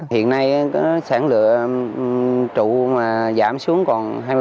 hiện nay sản lựa trụ mà giảm xuống còn